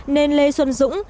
nên lê xuân dũng